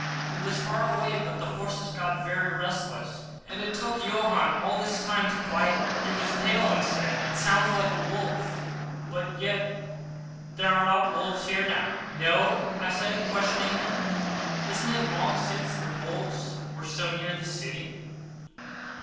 It was far away; but the horses got very restless, and it took Johann all his time to quiet them. He was pale, and said, "It sounds like a wolf—but yet there are no wolves here now." "No?" I said, questioning him; "isn't it long since the wolves were so near the city?"